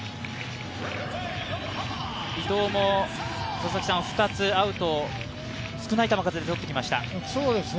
伊藤も２つアウトを少ない球数でとってきました。